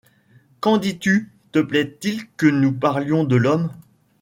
Qu’en dis-tu ? Te plaît-il que nous parlions de l’homme ?